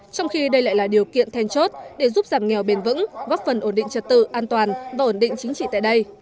trong khi đây lại là điều kiện then chốt để giúp giảm nghèo bền vững góp phần ổn định trật tự an toàn và ổn định chính trị tại đây